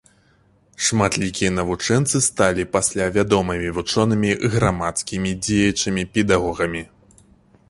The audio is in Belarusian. Шматлікія навучэнцы сталі пасля вядомымі вучонымі, грамадскімі дзеячамі, педагогамі.